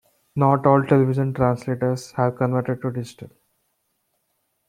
Not all television translators have converted to digital.